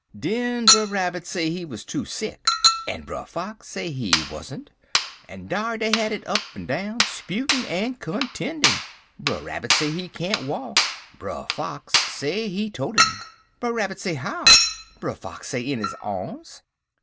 "Den Brer Rabbit say he wuz too sick, en Brer Fox say he wuzzent, en dar dey had it up and down, 'sputin' en contendin'. Brer Rabbit say he can't walk. Brer Fox say he tote 'im. Brer Rabbit say how? Brer Fox say in his arms.